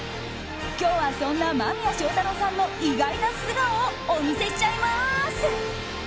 今日はそんな間宮祥太朗さんの意外な素顔をお見せしちゃいます！